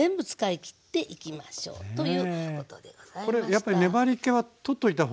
やっぱり粘りけは取っといたほうが。